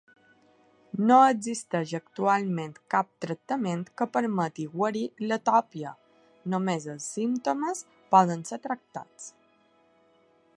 No existeix actualment cap tractament que permeti guarir l'atòpia, només els símptomes poden ser tractats.